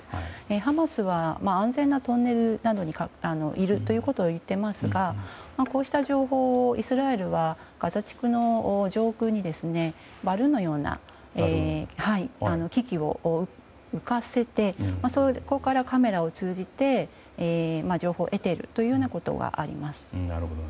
ハマスは安全なトンネルなどにいるということを言っていますがこうした情報をイスラエルはガザ地区の上空にバルーンのような機器を浮かせてそこからカメラを通じて情報を得ているということがあります。